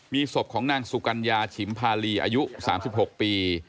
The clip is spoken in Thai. มีศพของนางสุกัญญาฉิมพาลีอายุ๓๖ปี